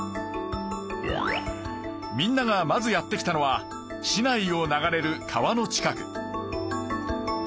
みんながまずやって来たのは市内を流れる川の近く。